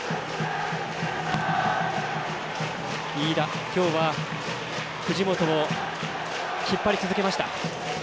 飯田、今日は、藤本も引っ張り続けました。